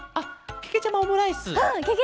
けけちゃまオムライス！